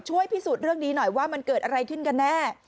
ช่วยพิสูจน์เรื่องนี้หน่อยว่ามันเกิดอะไรขึ้นกันแน่